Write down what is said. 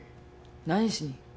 何しに？